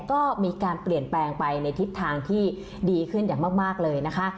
ก็มีการเปลี่ยนแปลงไปในทิศทางที่ดีขึ้นอย่างมากเลยนะคะ